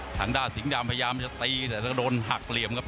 ทางด้านสิงห์ดำพยายามจะตีแต่ก็โดนหักเหลี่ยมครับ